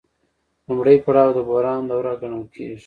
لومړی پړاو د بحران دوره ګڼل کېږي